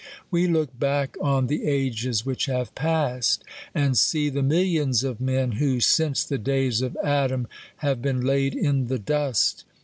We look back on the ages which have passed, and see the millions of men, who, since the days of Adam, have been laid in the dust.